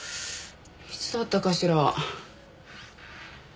いつだったかしら？